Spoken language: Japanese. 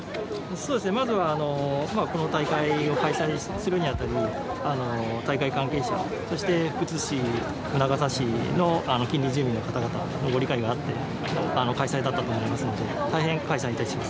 まずはこの大会を開催するに当たり、大会関係者、そして福津市、宗像市の近隣住民の方々のご理解があって開催に至ったと思いますので大変感謝いたします。